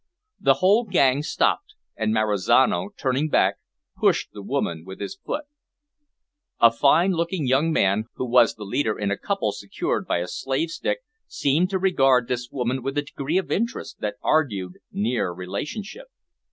The whole gang stopped, and Marizano, turning back, pushed the woman with his foot. A fine looking young man, who was the leader in a couple secured by a slave stick, seemed to regard this woman with a degree of interest that argued near relationship.